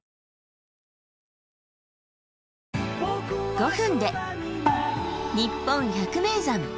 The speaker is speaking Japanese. ５分で「にっぽん百名山」。